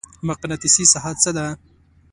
مقناطیسي ساحه څه ده؟